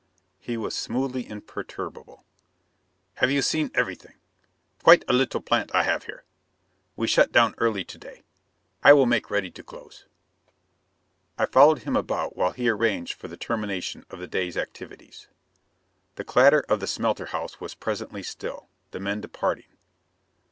He was smoothly imperturbable. "Have you seen everything? Quite a little plant I have here? We shut down early to day. I will make ready to close." I followed him about while he arranged for the termination of the day's activities. The clatter of the smelter house was presently still; the men departing.